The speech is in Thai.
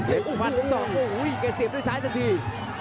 เหล็กพันธุ์สองโอ้โหเขาเสียด้วยซ้ายสักที